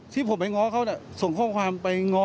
ที่ผมไปง้อเขาส่งข้อความไปง้อ